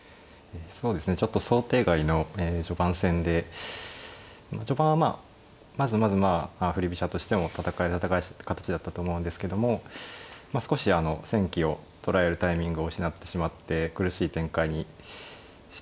そうですねちょっと想定外の序盤戦で序盤はまあまずまずまあ振り飛車としても戦える形だったと思うんですけども少しあの戦機を捉えるタイミングを失ってしまって苦しい展開にしてしまいましたけどまあ